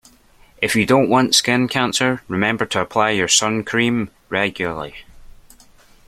If you don't want skin cancer, remember to apply your suncream regularly